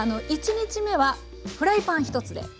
１日目はフライパン１つで。